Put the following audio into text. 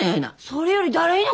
それより誰よ？